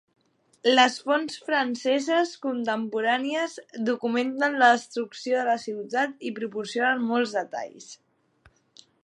Les fonts franceses contemporànies documenten la destrucció de la ciutat i proporcionen molts detalls.